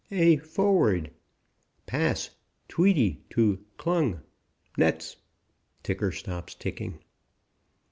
A.FORWARD. PASS.TWEEDY.TO.KLUNG.NETS..... (Ticker stops ticking).